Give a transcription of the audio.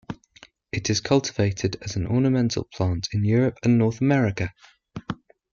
It is cultivated as an ornamental plant in Europe and North America.